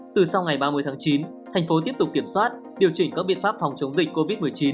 từ sau ngày ba mươi tháng chín thành phố tiếp tục kiểm soát điều chỉnh các biện pháp phòng chống dịch covid một mươi chín